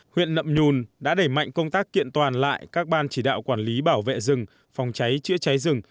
huyện nậm nhùn đã đẩy mạnh công tác kiện toàn lại các ban chỉ đạo quản lý bảo vệ rừng phòng cháy chữa cháy rừng